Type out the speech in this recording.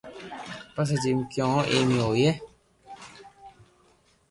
پسي جيم ڪيئو ايم اي ھوئي